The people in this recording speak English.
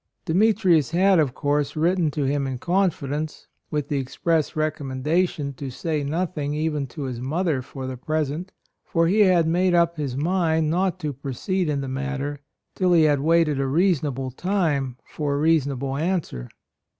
Demetrius had, of course, written to him in confidence, with the express recommenda tion to say nothing even to his mother for the present; for he had made up his mind not to proceed in the matter till 62 A ROYAL SON he had waited a reasonable time for a reasonable answer.